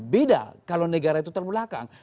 beda kalau negara itu terbelakang